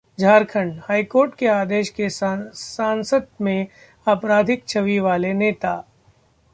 Jharkhand high court के आदेश से सांसत में आपराधिक छवि वाले नेता